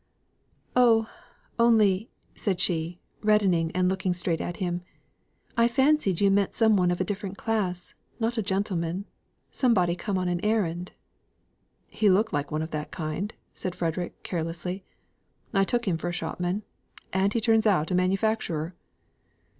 "Oh, only," said she, reddening and looking straight at him, "I fancied you meant some one of a different class, not a gentleman; somebody come on an errand." "He looked like someone of that kind," said Frederick, carelessly. "I took him for a shopman, and he turns out a manufacturer."